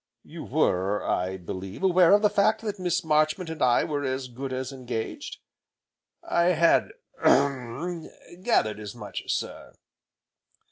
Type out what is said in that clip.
"You were, I believe, aware of the fact that Miss Marchmont and I were as good as engaged?" "I had hem! gathered as much, sir."